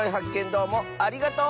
どうもありがとう！